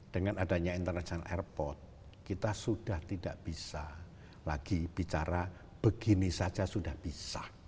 dengan adanya international airport kita sudah tidak bisa lagi bicara begini saja sudah bisa